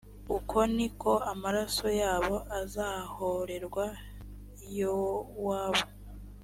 uko ni ko amaraso yabo azahorerwa yowabu